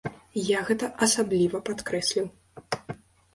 Я гэта асабліва падкрэсліў.